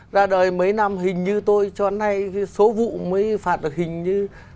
ra đời mấy năm hình như tôi cho nay số vụ mới phạt được hình như